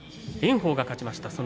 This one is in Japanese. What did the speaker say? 炎鵬が勝ちました。